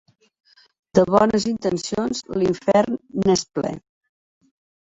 De bones intencions, l'infern n'és ple.